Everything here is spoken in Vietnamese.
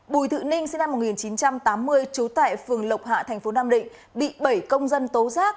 bùi thự ninh sinh năm một nghìn chín trăm tám mươi trú tại phường lộc hạ tp nam định bị bảy công dân tố rác